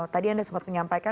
tadi anda sempat menyampaikan